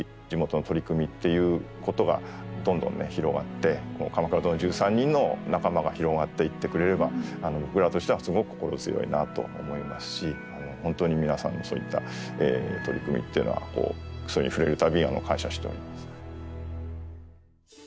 地元の取り組みっていうことがどんどん広がってこの「鎌倉殿の１３人」の仲間が広がっていってくれれば僕らとしてはすごく心強いなと思いますし、本当に皆さんのそういった取り組みはそれに触れるたびに感謝しております。